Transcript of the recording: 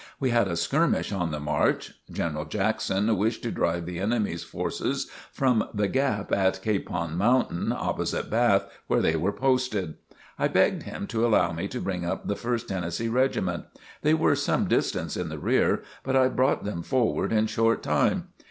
We had a skirmish on the march. General Jackson wished to drive the enemy's forces from the gap in Capon Mountain opposite Bath where they were posted. I begged him to allow me to bring up the First Tennessee regiment. They were some distance in the rear, but I brought them forward in short time.